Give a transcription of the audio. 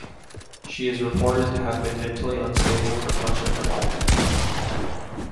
She is reported to have been mentally unstable for much of her life.